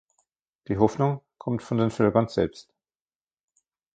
Die Hoffnung kommt von den Völkern selbst.